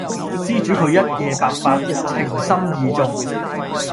施主佢一夜白髮，情深義重